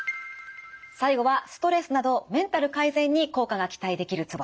最後はストレスなどメンタル改善に効果が期待できるツボです。